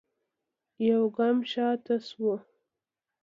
يوګام شاته سوه.